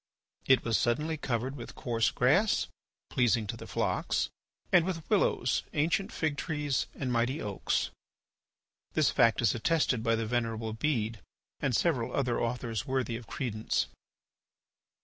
It was suddenly covered with coarse grass, pleasing to the flocks, and with willows, ancient figtrees, and mighty oaks. This fact is attested by the Venerable Bede and several other authors worthy of credence.